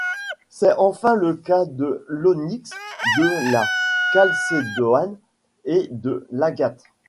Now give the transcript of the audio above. C'est enfin le cas de l'onyx, de la calcédoine et de l'agate.